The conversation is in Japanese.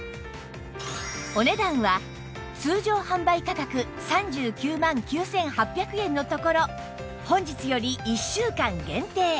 お値段は通常販売価格３９万９８００円のところ本日より１週間限定